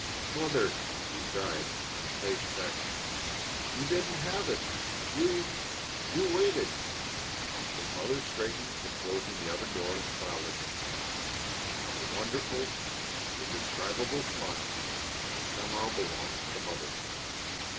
"Mother!" he cried, his face shining. "You didn't have it You you waited!" His mother straightened from closing the oven door and smiled at him that wonderful, indescribable smile that somehow belongs to mothers.